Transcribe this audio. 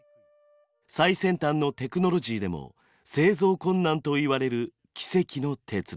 最先端のテクノロジーでも製造困難といわれる奇跡の鉄です。